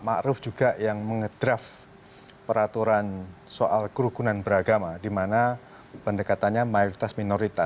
ma'ruf juga yang mengedraf peraturan soal kerugunan beragama di mana pendekatannya mayoritas minoritas